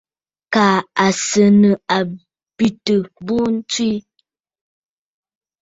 Kaa à sɨ̀ nɨ̂ àbetə̀ bû ǹtswe.